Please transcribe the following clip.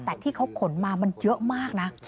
แต่ที่เขาขนมามันเยอะมากนะ